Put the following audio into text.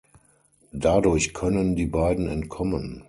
Dadurch können die beiden entkommen.